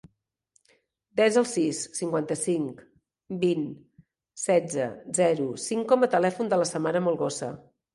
Desa el sis, cinquanta-cinc, vint, setze, zero, cinc com a telèfon de la Samara Melgosa.